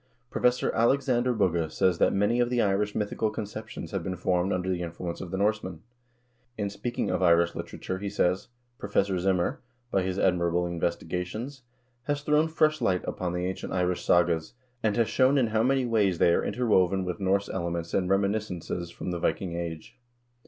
Professor Alexander Bugge says that "many of the Irish mythical conceptions have been formed under the influence of the Norsemen." 2 In speaking of Irish literature he says: "Professor Zimmer,3 by his admirable investigations, has thrown fresh light upon the ancient Irish sagas, and has shown in how many ways they are interwoven with Norse elements and reminiscences from the Viking Age.